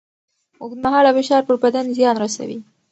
اوږدمهاله فشار پر بدن زیان رسوي.